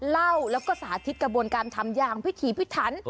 เล่าแล้วก็สาธิตกระบวนการทำอย่างพิถีพิถัน